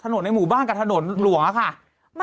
ถนนในหมู่บ้างกับถนนหลวงสิครับ